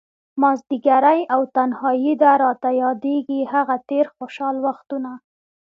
مازديګری او تنهائي ده، راته ياديږي هغه تير خوشحال وختونه